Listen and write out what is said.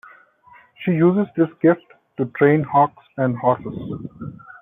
She uses this gift to train hawks and horses.